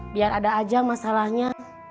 biar ada aja masalahnya